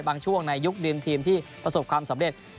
ในช่วงในยุคริมทีมที่ประสบความสำเร็จ